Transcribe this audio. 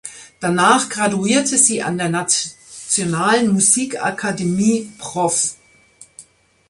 Danach graduierte sie an der Nationalen Musikakademie „Prof.